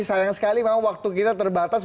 sayang sekali memang waktu kita terbatas